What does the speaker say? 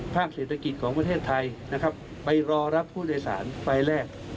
เศรษฐกิจของประเทศไทยนะครับไปรอรับผู้โดยสารไฟแรก